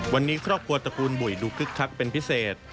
วันนี้ครอบครัวตระกูลบุ๋ยดูคึกคักเป็นพิเศษ